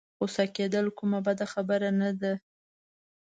غوسه کېدل کومه بده خبره نه ده.